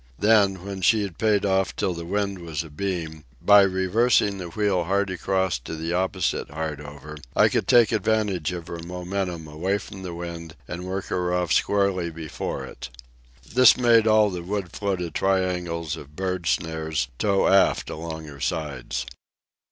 Then, when she had paid off till the wind was abeam, by reversing the wheel hard across to the opposite hard over I could take advantage of her momentum away from the wind and work her off squarely before it. This made all the wood floated triangles of bird snares tow aft along her sides.